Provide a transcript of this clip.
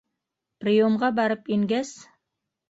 Приемға барып ингәс